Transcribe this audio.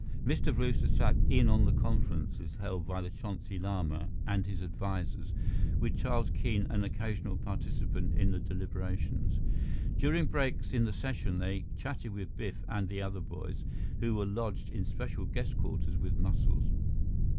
Mr. Brewster sat in on the conferences held by the Chonsi Lama and his advisers, with Charles Keene an occasional participant in the deliberations. During breaks in the session, they chatted with Biff and the other boys, who were lodged in special guest quarters with Muscles.